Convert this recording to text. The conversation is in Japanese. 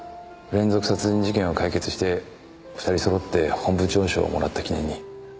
連続殺人事件を解決して２人そろって本部長賞をもらった記念に。